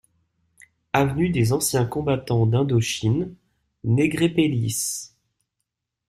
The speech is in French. Avenue des Anciens Combattants d'Indochine, Nègrepelisse